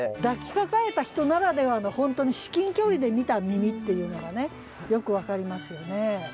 抱きかかえた人ならではの本当に至近距離で見た耳っていうのがよく分かりますよね。